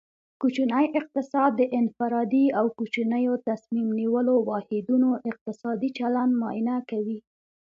کوچنی اقتصاد د انفرادي او کوچنیو تصمیم نیولو واحدونو اقتصادي چلند معاینه کوي